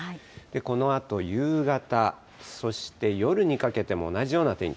このあと夕方、そして夜にかけても、同じような天気。